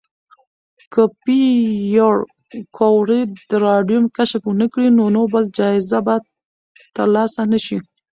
که پېیر کوري د راډیوم کشف ونکړي، نو نوبل جایزه به ترلاسه نه شي.